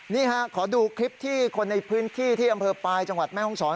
นี่ฮะขอดูคลิปที่คนในพื้นที่ที่อำเภอปลายจังหวัดแม่ห้องศร